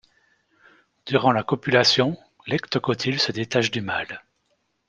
Durant la copulation, l'hectocotyle se détache du mâle.